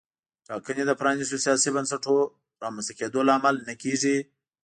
ټاکنې د پرانیستو سیاسي بنسټونو رامنځته کېدو لامل نه کېږي.